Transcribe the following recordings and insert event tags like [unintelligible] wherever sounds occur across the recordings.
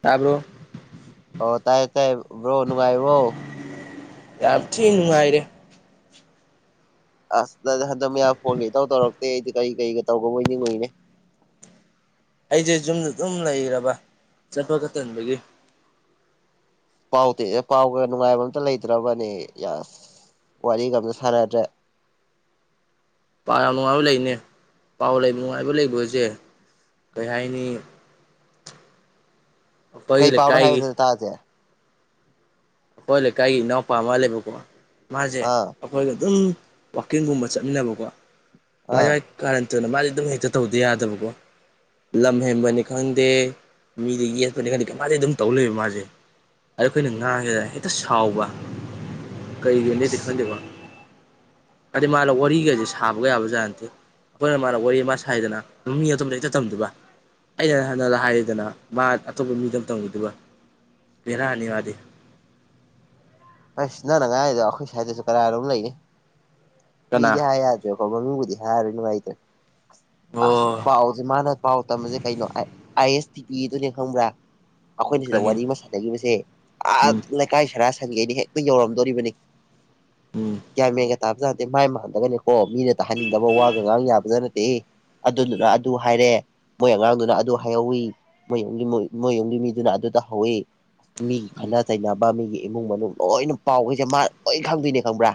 ꯇꯥꯕ꯭ꯔꯣ ꯑꯣ ꯇꯥꯏ ꯇꯥꯏ ꯕ꯭ꯔꯣ ꯅꯨꯡꯉꯥꯢꯔꯤꯕꯣ ꯌꯥꯝ ꯊꯤ ꯅꯨꯡꯉꯥꯏꯔꯤ ꯑꯁ ꯍꯟꯗꯛ ꯃꯌꯥꯒ ꯐꯣꯟꯒ ꯢꯇꯧ ꯇꯧꯔꯛꯇꯦ ꯑꯩꯗꯤ ꯀꯔꯤ ꯀꯔꯤꯒ ꯇꯧꯈ꯭ꯔꯕꯣꯢ ꯅꯤꯡꯉꯨꯢꯅꯦ ꯑꯩꯁꯦ ꯌꯨꯝꯗ ꯑꯗꯨꯝ ꯂꯩꯔꯕ ꯆꯠꯄ ꯈꯣꯠꯄ ꯇꯟꯕꯒꯤ ꯄꯥꯎ ꯇꯦ ꯄꯥꯎꯒ ꯅꯨꯡꯉꯥꯏꯕ ꯑ ꯑꯃꯇ ꯂꯩꯇ꯭ꯔꯕꯅꯦ ꯌꯥꯁ ꯋꯥꯔꯤꯒ ꯑꯝꯇ ꯁꯥꯟꯅꯗ꯭ꯔꯦ ꯄꯥꯎ ꯌꯥꯝ ꯅꯨꯡꯉꯥꯏꯕ ꯂꯩꯅꯦ ꯄꯥꯎ ꯂꯩꯕ ꯅꯨꯡꯉꯥꯏꯕ ꯂꯩꯒꯣ ꯍꯧꯖꯤꯛ ꯀꯩ ꯍꯥꯏꯅꯤ ꯑꯩꯈꯣꯏꯒꯤ ꯀꯩ ꯄꯥꯎꯅꯣ ꯂꯩꯀꯥꯏꯒꯤ ꯍꯥꯏꯌꯨꯗꯅ ꯇꯥꯥꯁꯦ ꯑꯩꯈꯣꯏ ꯂꯩꯀꯥꯏꯒꯤ ꯏꯅꯥꯎꯄꯥ ꯃꯥ ꯂꯩꯌꯦꯕꯀꯣ ꯃꯥꯁꯦ ꯑꯥ ꯑꯩꯈꯣꯏꯒ ꯑꯗꯨꯝ ꯋꯥꯛꯀꯤꯡꯒꯨꯝꯕ ꯆꯠꯃꯤꯟꯅꯕꯀꯣ ꯃꯥꯏ ꯑꯥ ꯀꯔꯟ ꯇꯨꯔꯥꯟ ꯃꯥꯗꯤ ꯑꯗꯨꯝ ꯍꯦꯛꯇ ꯇꯧꯗꯕ ꯌꯥꯗꯕꯀꯣ ꯂꯝ ꯍꯦꯟꯕꯅꯤ ꯈꯪꯗꯦ ꯃꯤꯗ ꯌꯦꯠꯄꯅꯤ ꯈꯪꯗꯦ [unintelligible] ꯑꯗꯨꯝ ꯇꯧ ꯂꯩꯕ ꯃꯥꯁꯦ ꯑꯗꯥ ꯑꯩꯈꯣꯏꯅ ꯉꯥꯡꯉꯦꯕ ꯍꯦꯛꯇ ꯁꯥꯎꯕ ꯀꯩꯒꯤꯅꯣꯗꯤ ꯈꯪꯗꯦꯕ ꯑꯗꯥ ꯃꯥꯗꯤ ꯋꯥꯔꯤꯒꯁꯦ ꯁꯥꯕꯒ ꯌꯥꯕꯖꯠ ꯅꯠꯇꯦ ꯑꯩꯈꯣꯏꯅ ꯃꯥꯅ ꯋꯥꯔꯤ ꯃꯥ ꯁꯥꯏꯗꯅ ꯃꯤ ꯑꯗꯨꯝ ꯂꯩꯔꯤꯛꯇ ꯇꯝꯗꯕ ꯑꯩꯅ ꯍꯟꯅ ꯍꯥꯏꯔꯤꯗꯅ ꯃꯥ ꯑꯇꯣꯞꯄ ꯃꯤꯗ ꯇꯝꯒꯗꯨꯕ ꯕꯦꯔꯥꯅꯤ ꯃꯥꯗꯤ ꯑꯁ ꯅꯪꯏ ꯉꯥꯡꯉꯤꯗꯣ ꯑꯩꯈꯣꯏ ꯁꯧꯋꯥꯢꯗꯁꯨ ꯀꯅꯥꯅꯣꯝ ꯂꯩꯌꯦ ꯀꯅꯥ ꯃꯤꯗꯤ ꯍꯥꯏ ꯌꯥꯗꯦ ꯈ ꯃꯤ ꯀꯕꯨꯗꯤ [unintelligible] [unintelligible] ꯍꯥꯢꯔꯔꯣꯢ ꯅꯨꯡꯉꯥꯢꯇ꯭ꯔꯦ ꯑꯁ ꯑꯁ ꯑꯣ ꯄꯥꯎꯁꯦ ꯃꯥꯅ ꯄꯥꯎ ꯇꯝꯕꯁꯦ ꯀꯩꯅꯣ ꯍꯥꯏ ꯑꯥꯏ ꯑꯦꯁ ꯇꯤꯚꯤ ꯑꯗꯨꯅꯦ ꯈꯪꯕ꯭ꯔꯥ ꯎꯝ ꯑꯩꯈꯣꯏꯅ ꯁꯤꯗ ꯈꯪꯉꯤꯅꯤ ꯋꯥꯔꯤ ꯑꯃ ꯁꯥꯟ ꯁꯥꯟꯅꯈꯤꯕꯁꯦ ꯑꯥ ꯎꯝ ꯂꯩꯀꯥꯏ ꯁꯔ ꯁꯪꯉꯩ ꯑꯩꯅ ꯍꯦꯛꯇ ꯌꯧꯔꯝꯗꯣꯔꯤꯕꯅꯤ ꯎꯝ ꯒ꯭ꯌꯥꯟ ꯃꯦꯟꯒ ꯇꯥꯕ ꯖꯥꯠ ꯅꯠꯇꯦ ꯃꯥꯏ ꯃꯥꯡꯗꯒꯅꯦꯀꯣ ꯃꯤꯅ ꯇꯥꯍꯟꯅꯤꯡꯗꯕ ꯋꯥꯒ ꯉꯥꯡ ꯌꯥꯕ ꯖꯥꯠ ꯅꯠꯇꯦꯍꯦ ꯑꯗꯨꯗꯨꯅ ꯑꯗꯨ ꯍꯥꯏꯔꯦ ꯃꯣꯏ ꯑꯉꯥꯡꯗꯨꯅ ꯑꯗꯨ ꯍꯥꯏꯍꯧꯋꯤ ꯃꯣꯏ ꯌꯨꯝꯒꯤ ꯃꯣꯏ ꯃꯣꯏ ꯌꯨꯝꯒꯤ ꯃꯤꯗꯨꯅ ꯑꯗꯨ ꯇꯧꯍꯧꯋꯤ ꯃꯤꯒꯤ ꯎꯝ ꯈꯠꯅ ꯆꯩꯅꯕ ꯃꯤꯒꯤ ꯏꯃꯨꯡ ꯃꯅꯨꯡ ꯂꯣꯏꯅ ꯄꯥꯎꯒꯩꯖꯦ ꯃꯥ ꯂꯣꯏ ꯈꯪꯗꯣꯏꯅꯦ ꯈꯪꯕ꯭ꯔꯥ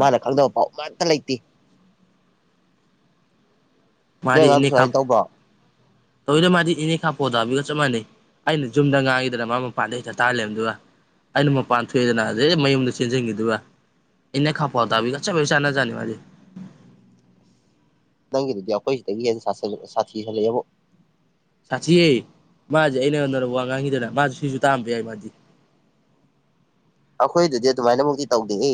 ꯃꯥꯅ ꯈꯪꯗꯕ ꯄꯥꯎ ꯑꯃꯠꯇ ꯂꯩꯇꯦ ꯅꯣꯏ ꯃꯥꯗꯤ ꯑꯉꯥꯡꯗꯣ ꯏꯅꯦ ꯈꯥ ꯁꯨꯃꯥꯏꯅ ꯇꯧꯕ꯭ꯔꯣ [unintelligible] ꯃꯥꯗꯤ ꯏꯅꯦꯈꯥ ꯄꯧꯗꯥꯕꯤꯒ ꯆꯞ ꯃꯥꯟꯅꯩ ꯑꯩꯅ ꯌꯨꯝꯗ ꯉꯥꯡꯉꯤꯗꯅ ꯃꯥ ꯃꯄꯥꯟꯗ ꯍꯦꯛꯇ ꯇꯥꯔꯥ ꯂꯩꯔꯝꯗꯣꯏꯕ ꯑꯩꯅ ꯃꯄꯥꯟ ꯊꯣꯛꯑꯦꯗꯅ ꯑꯗꯩ ꯃꯌꯨꯝꯗ ꯆꯦꯟꯖꯟꯒꯤꯗꯨꯏꯕ ꯌꯦꯅꯥꯈꯥ ꯄꯧꯗꯥꯕꯤꯒ ꯆꯞ ꯍꯦꯛ ꯆꯥꯅꯖꯥꯠꯅꯤ ꯃꯥꯗꯤ ꯅꯪꯒꯤꯗꯨꯗꯤ ꯑꯩꯈꯣꯏ ꯁꯤꯗꯒꯤ ꯍꯦꯟꯅ ꯁꯥꯁꯟ ꯁꯥꯊꯤꯈꯠꯂꯛꯑꯦꯕꯨ ꯁꯥꯊꯤꯍꯦ ꯃꯥ ꯍꯧꯖꯤꯛ ꯑꯩꯅ [unintelligible] ꯋꯥ ꯉꯥꯡꯉꯤꯗꯅ ꯃꯥꯖꯨ ꯁꯤꯖꯨ ꯇꯥꯔꯝꯕ ꯌꯥꯏ ꯃꯥꯗꯤ ꯑꯩꯈꯣꯏꯗꯨꯗꯤ ꯑꯗꯨꯃꯥꯏꯅ ꯃꯛꯇꯤ ꯇꯧꯗꯦꯍꯦ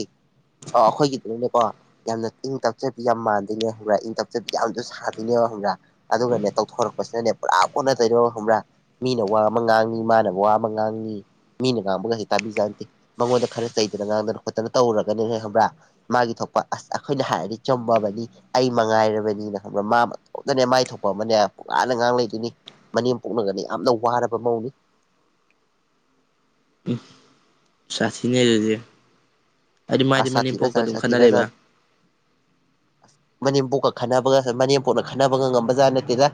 ꯑꯥ ꯑꯩꯈꯣꯏꯒꯤꯗꯨꯅꯅꯦꯀꯣ ꯌꯥꯝꯅ ꯏꯪ ꯇꯞꯆꯕꯤ ꯌꯥꯝ ꯃꯥꯟꯗꯣꯏꯅꯦ ꯈꯪꯕ꯭ꯔꯥ ꯏꯪ ꯇꯞꯆꯕꯤ ꯌꯥꯝꯖꯨ ꯁꯥꯗꯣꯏꯅꯦꯕ ꯈꯪꯕ꯭ꯔꯥ ꯑꯗꯨꯒꯅꯦ ꯇꯧꯊꯣꯔꯛꯄꯁꯤꯅꯅꯦ ꯄꯨꯔꯥ ꯑꯣꯟꯅ ꯇꯩꯅꯕ ꯈꯪꯕ꯭ꯔꯥ ꯃꯤꯅ ꯋꯥ ꯑꯃ ꯉꯥꯡꯉꯤ ꯃꯥꯅ ꯋꯥ ꯑꯃ ꯉꯥꯡꯉꯤ ꯃꯤꯅ ꯉꯥꯡꯕꯒꯖꯦ ꯇꯥꯕꯤꯖꯥꯟꯇꯦ ꯃꯉꯣꯟꯗ ꯈꯔ ꯆꯩꯗꯅ ꯉꯥꯡꯗꯅ ꯈꯣꯠꯇꯅ ꯇꯧꯔꯨꯔꯒꯅꯦꯅꯦ ꯈꯪꯕ꯭ꯔꯥ ꯃꯥꯒꯤ ꯊꯣꯛꯄ ꯑꯁ ꯑꯩꯈꯣꯏꯅ ꯍꯥꯏꯔꯗꯤ ꯆꯨꯝꯃꯕꯅꯤ ꯑꯩ ꯃꯉꯥꯏꯔꯕꯅꯤꯅ ꯈꯪꯕ꯭ꯔꯥ ꯃꯥ ꯃꯇꯣꯝꯇꯅꯦ ꯃꯥꯏ ꯊꯣꯛꯄ ꯑꯃꯅꯦ ꯄꯨꯡꯉꯥꯡꯇꯥ ꯉꯥꯡ ꯂꯩꯗꯣꯏꯅꯤ ꯃꯅꯦꯝꯄꯣꯛꯅꯒꯅꯦ ꯌꯥꯝꯅ ꯋꯥꯔꯕ ꯃꯧꯅꯤ ꯎꯝ ꯁꯥꯊꯤꯅꯦ ꯑꯗꯨꯗꯤ ꯍꯥꯏꯗꯤ ꯃꯥꯗꯤ ꯑꯁ ꯃꯅꯦꯝꯄꯣꯛꯀ ꯁꯥꯊꯤꯈ꯭ꯔꯖꯥꯠꯅꯤ ꯑꯗꯨꯝ ꯈꯠꯅꯔꯤꯕ ꯁꯥꯊꯤꯈ꯭ꯔꯖꯥꯠꯅꯤ ꯑꯁ ꯃꯅꯦꯝꯄꯣꯛꯀ ꯈꯟꯅꯕꯒ ꯃꯅꯦꯝꯄꯣꯛꯅ ꯈꯟꯅꯕꯒ ꯉꯝꯕ ꯖꯥꯠ ꯅꯠꯇꯦꯗ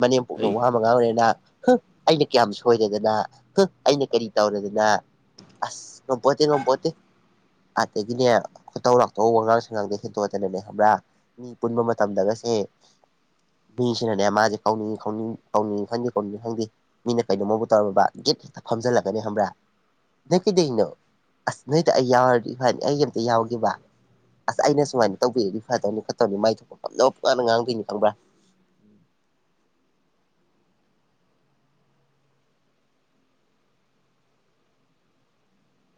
ꯃꯅꯦꯝꯄꯣꯛꯅ ꯀꯩ ꯋꯥꯝ [unintelligible] ꯉꯥꯡꯂꯦꯅ [unintelligible] ꯑꯩꯅ ꯀꯌꯥꯝ ꯁꯣꯏꯗꯦꯗꯅ [unintelligible] ꯑꯩꯅ ꯀꯔꯤ ꯇꯧꯔꯗꯅ ꯑꯁ ꯉꯝꯄꯣꯟꯇꯦ ꯉꯝꯄꯣꯟꯇꯦ ꯑꯗꯒꯤꯅꯦ ꯈꯨꯇꯧ ꯂꯥꯛꯇꯧ ꯋꯥꯉꯥꯡ ꯁꯉꯥꯡꯗ ꯍꯦꯟꯇꯣꯔꯛꯇꯅꯅꯦ ꯈꯪꯕ꯭ꯔꯥ ꯃꯤ ꯄꯨꯟꯕ ꯃꯇꯝꯗꯒꯁꯦ ꯃꯤꯁꯤꯅꯅꯦ ꯃꯥꯖꯦ ꯀꯧꯅꯤꯡ ꯈꯧꯅꯤꯡ ꯀꯧꯅꯤꯡꯉꯤ ꯈꯪꯗꯦ ꯀꯧꯅꯤꯡꯗꯦ ꯈꯪꯗꯦ ꯃꯤꯅ ꯀꯩꯅꯣꯝꯃꯕꯨ ꯇꯧꯔꯕ ꯒꯤꯠ ꯍꯦꯛꯇ ꯐꯝꯖꯟꯂꯛꯀꯅꯤ ꯈꯪꯕ꯭ꯔꯥ ꯅꯣꯏ ꯀꯩꯗ꯭ꯋꯩꯏꯅꯣ ꯑꯁ ꯅꯣꯏꯗꯣ ꯑꯩ ꯌꯥꯎꯔꯗꯤ ꯐꯅꯤ ꯑꯩ ꯑꯝꯇꯥ ꯌꯥꯎꯒꯦꯕ ꯑꯁ ꯑꯩꯅ ꯁꯨꯃꯥꯏꯅ ꯇꯧꯕꯤꯔꯗꯤ ꯐꯗꯧꯅꯤ ꯈꯣꯠꯇꯧꯅꯤ ꯃꯥꯏ ꯊꯣꯛꯄꯝ [unintelligible] ꯉꯥꯡꯗꯣꯏꯅꯤ ꯈꯪꯕ꯭꯭ꯔꯥ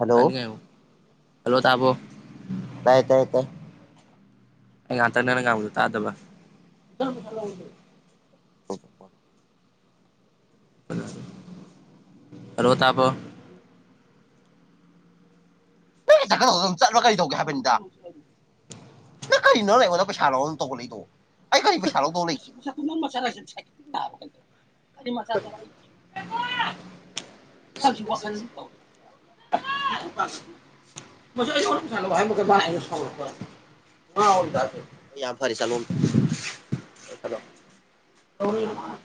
ꯍꯜꯂꯣ [unintelligible] ꯍꯜꯂꯣ ꯇꯥꯕ꯭ꯔꯣ ꯇꯥꯏ ꯇꯥꯏ ꯇꯦ ꯑꯩ ꯉꯍꯥꯛꯇꯪ ꯅꯪꯅ ꯉꯥꯡꯕꯗꯣ ꯇꯥꯗꯕ [unintelligible] ꯍꯜꯂꯣ ꯇꯥꯕꯣ ꯅꯪꯅ ꯆꯠꯀꯗꯧꯗꯣ ꯑꯗꯨꯝ ꯆꯠꯂꯣ ꯀꯩꯗꯧꯒꯦ ꯍꯥꯏꯕꯅꯤꯗ ꯅꯪ ꯀꯩꯅꯣ ꯅꯪꯅ ꯑꯩꯉꯣꯟꯗ ꯄꯩꯁꯥ ꯂꯧꯅ ꯇꯧꯈꯠꯂꯛꯏꯗꯣ ꯑꯩ ꯀꯩ ꯄꯩꯁꯥ ꯂꯧꯗꯧ ꯂꯩꯒꯦ [unintelligible] [unintelligible] [unintelligible] ꯃꯁꯤ ꯑꯩꯉꯣꯟꯗ ꯄꯩꯁꯥ ꯂꯧ ꯍꯥꯏꯔꯝꯃꯒ [unintelligible] ꯁꯥꯎꯔꯛꯄ꯭ꯋꯥꯏꯅꯤ ꯉꯥꯎꯕ [unintelligible] ꯌꯥꯝ ꯐꯔꯦ ꯆꯠꯂꯣ ꯑꯝꯇꯥ [unintelligible]